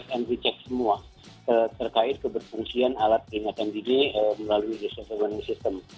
kita sudah cek and recheck semua terkait keberfungsian alat peringatan dini melalui desaster warning system